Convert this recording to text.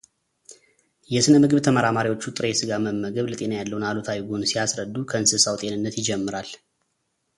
የሥነ ምግብ ተመራማሪዎቹ ጥሬ ሥጋ መመገብ ለጤና ያለውን አሉታዊ ጎን ሲያስረዱ ከእንስሳው ጤንነት ይጀምራሉ።